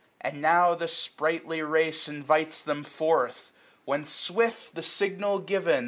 And now the sprightly race S^s Invites them forth j when swift, the signal given.